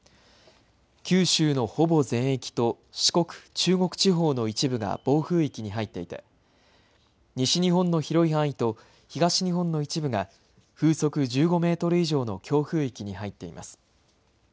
九州のほぼ全域と四国、中国地方の一部が暴風域に入っていて西日本の広い範囲と東日本の一部が風速１５メートル以上の強風域に入っています。